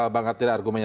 bang arteria argumennya